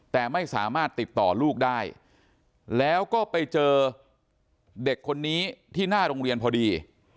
แต่ไม่สามารถติดต่อลูกได้แล้วก็ไปเจอเด็กคนนี้ที่หน้าโรงเรียนพอดี